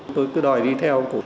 tôi cứ đòi đi theo cụ